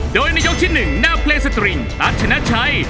โดยในยกที่๑แนวเพลงสตริงตัดชนะชัย